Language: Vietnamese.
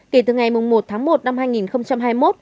kể từ ngày một tháng một năm hai nghìn hai mươi một